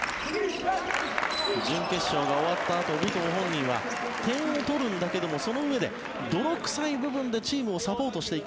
準決勝が終わったあと武藤本人は点を取るんだけども、そのうえで泥臭い部分でチームをサポートしていく。